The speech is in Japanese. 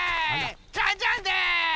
ジャンジャンです！